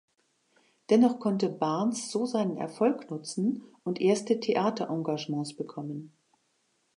Dennoch konnte Barnes so seinen Erfolg nutzen und erste Theaterengagements bekommen.